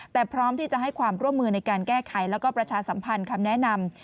แต่พร้อมที่จะให้ความร่วมมือในการแก้ไขแล้วก็ประชาสัมพันธ์คำแนะนำ